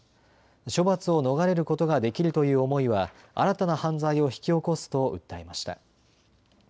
処罰を逃れることができるという思いは新たな犯罪を引き起こすと訴えました。